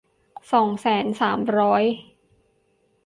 สองแสนสามร้อย